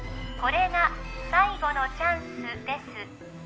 これが最後のチャンスです